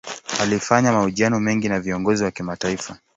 Alifanya mahojiano mengi na viongozi wa kimataifa.